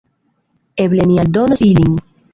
Eble ni aldonos ilin.